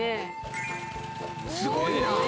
すごいな！